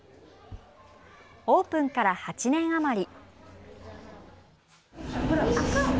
オープンから８年余り。